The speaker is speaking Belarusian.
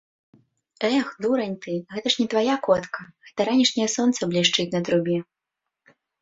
- Эх, дурань ты, гэта ж не твая котка, гэта ранішняе сонца блішчыць на трубе